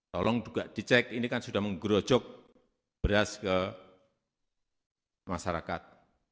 tolong juga dicek ini kan sudah menggerojok beras ke masyarakat